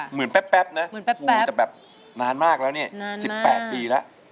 เหมือนแป๊บนะนานมากแล้วนี่๑๘ปีแล้ว